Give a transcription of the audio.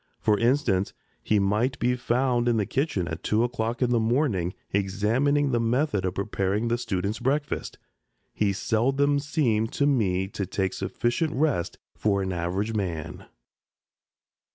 For instance, he might be found in the kitchen at two o'clock in the morning examining the method of preparing the students' breakfast. He seldom seemed to me to take sufficient rest for an average man.